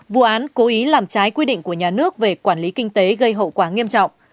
vụ án cố ý làm trái quy định của nhà nước về quản lý kinh tế gây hậu quả nghiêm trọng